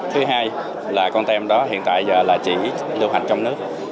thứ hai là content đó hiện tại giờ là chỉ lưu hành trong nước